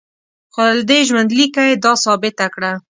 خو له دې ژوندلیکه یې دا ثابته کړه.